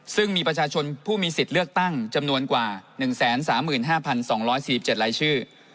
ซึ่งมีประชาชนผู้มีสิทธิ์เลือกตั้งจำนวนกว่า๑๓๕๒๔๗รายชื่อ